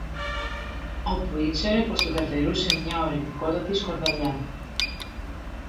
όπου ήξερε πως τον καρτερούσε μια ορεκτικότατη σκορδαλιά.